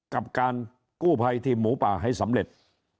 กับการกู้ภัยทีมหมูป่าให้สำเร็จ